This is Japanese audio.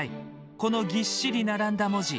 このぎっしり並んだ文字。